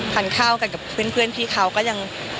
ทานข้าวกันกับเพื่อนพี่เขาก็ยัง